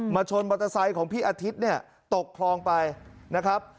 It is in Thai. ชนมอเตอร์ไซค์ของพี่อาทิตย์เนี่ยตกคลองไปนะครับ